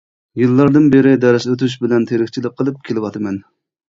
يىللاردىن بېرى دەرس ئۆتۈش بىلەن تىرىكچىلىك قىلىپ كېلىۋاتىمەن.